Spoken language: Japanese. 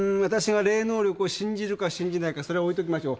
霊能力を信じるか信じないかそれは置いておきましょう。